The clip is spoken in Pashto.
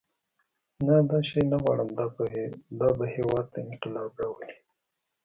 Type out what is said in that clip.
نه دا شی نه غواړم دا به هېواد ته انقلاب راولي.